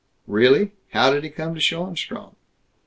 "Really? How did he come to Schoenstrom?"